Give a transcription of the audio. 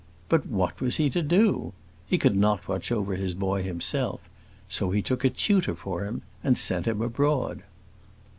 But what was he to do? He could not watch over his boy himself; so he took a tutor for him and sent him abroad.